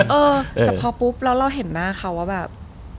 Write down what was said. เออแต่พอปุ๊บแล้วเราเห็นหน้าเขาว่าแบบ